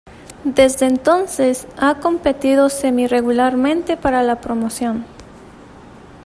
Desde entonces, ha competido semi-regularmente para la promoción.